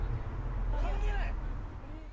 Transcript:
関係ない。